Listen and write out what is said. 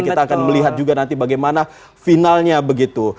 kita akan melihat juga nanti bagaimana finalnya begitu